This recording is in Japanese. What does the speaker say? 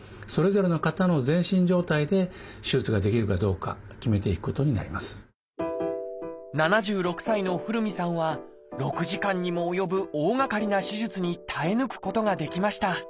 しかし年齢だけではなくて７６歳の古海さんは６時間にも及ぶ大がかりな手術に耐え抜くことができました。